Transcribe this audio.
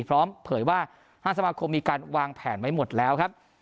พร้อมเผยว่าห้างสมาคมมีการวางแผนไว้หมดแล้ว